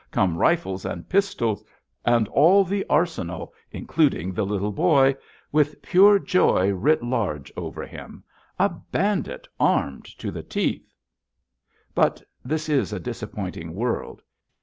Come rifles and pistols and all the arsenal, including the Little Boy, with pure joy writ large over him! A bandit, armed to the teeth! But this is a disappointing world.